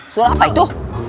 suara apa itu